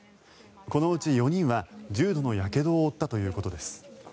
このうち４人は重度のやけどを負ったということです。